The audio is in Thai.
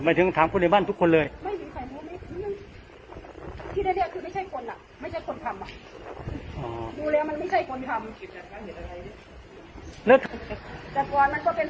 วันนี้ก็ไม่รู้เหมือนกันว่าเป็นไหม